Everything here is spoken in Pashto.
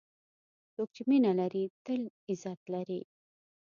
څوک چې مینه لري، تل عزت لري.